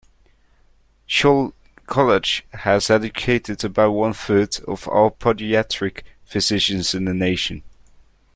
Scholl College has educated about one-third of all podiatric physicians in the nation.